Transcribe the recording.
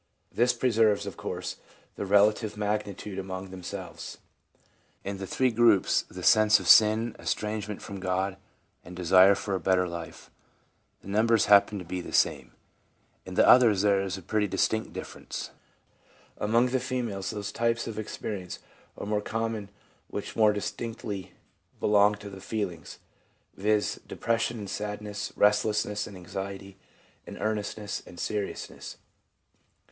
This preserves, of course, their relative magnitude among themselves. In three of the groups — the sense of sin, estrangement from God, and desire for a better life — the numbers happen to be the same ; in the others there is a pretty distinct difference. Among the females those types of experience are more common which more distinctly belong to the feelings, viz., depression and sadness, restlessness and anxiety, and earnestness and serious ness.